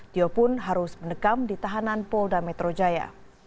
tio pun harus mendekam di tahanan polda metro jaya